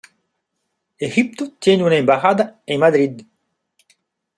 Egipto tiene una embajada en Madrid.